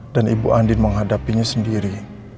dan ibu andi menghadapinya sendiri